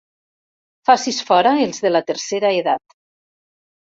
Facis fora els de la tercera edat.